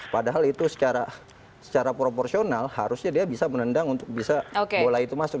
padahal itu secara proporsional harusnya dia bisa menendang untuk bisa bola itu masuk